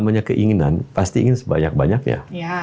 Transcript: namanya partai dan keinginan pasti ingin sebanyak banyaknya